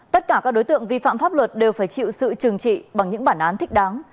tất cả các đối tượng vi phạm pháp luật đều phải chịu sự trừng trị bằng những bản án thích đáng